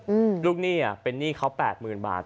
อืมลูกหนี้อ่ะเป็นหนี้เขาแปดหมื่นบาท